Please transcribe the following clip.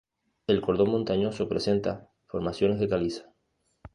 El cordón montañoso presenta formaciones de caliza.